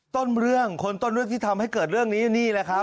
ต้นเรื่องคนต้นเรื่องที่ทำให้เกิดเรื่องนี้นี่แหละครับ